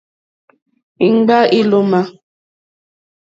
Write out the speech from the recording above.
Íŋɡbâ ílómà.